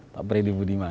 pak freddy budiman